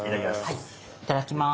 はいいただきます。